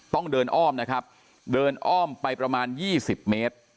ต้องเดินอ้อมนะครับเดินอ้อมไปประมาณ๒๐เมตร